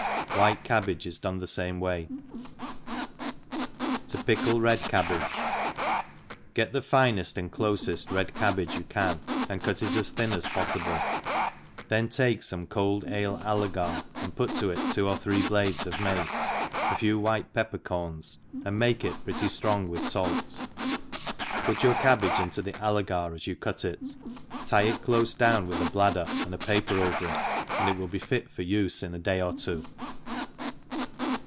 White cabbage is done che lame way •^ A a Tq 354 THE EXPERIENCED To pickle Rid Cabbage. GET the fined and clofeft red cabbage you can, and cut it as thin as poffible^ then take fome cold ale allegar, and put to it two or three blades of mace, a few white pepper corns, and make it/pretty (Irong with fait, put your cabbage into the allegar as you cut it ; tie it clofe down with a bladder, and a paper over it, and it will be fit for ufe in a day or two.